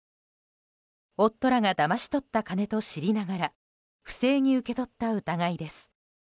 夫らがだまし取った金と知りながら不正に受け取った疑いです。